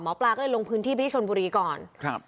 หมอปลาก็ลงพื้นที่ไปให้ชนบุรีย์ก่อนครับ